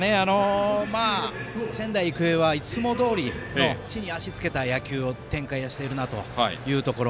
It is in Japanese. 仙台育英はいつもどおりの地に足つけた野球を展開しているなというところ。